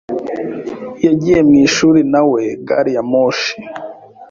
yagiye mwishuri nawe gari ya moshi.